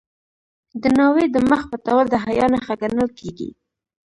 د ناوې د مخ پټول د حیا نښه ګڼل کیږي.